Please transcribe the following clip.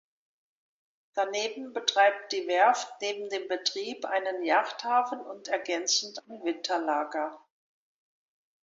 Daneben betreibt die Werft neben dem Betrieb einen Yachthafen und ergänzend ein Winterlager.